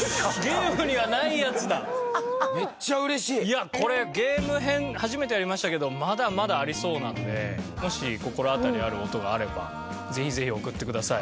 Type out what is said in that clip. いやこれゲーム編初めてやりましたけどまだまだありそうなのでもし心当たりある音があればぜひぜひ送ってください。